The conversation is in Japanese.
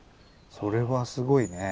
それはすごいねえ。